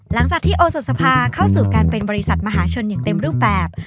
หลังจากที่โอสดสภาเข้าสู่การเป็นบริษัทมหาชนอย่างเต็มรูปแบบ